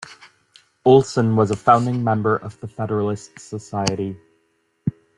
Olson was a founding member of the Federalist Society.